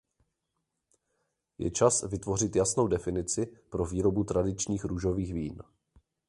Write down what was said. Je čas vytvořit jasnou definici pro výrobu tradičních růžových vín.